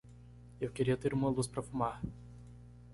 Eu queria ter uma luz para fumar.